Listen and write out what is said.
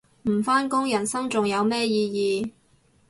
唔返工人生仲有咩意義